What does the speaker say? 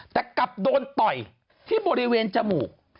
แต่กลับโดนต่อยที่บริเวณจมูก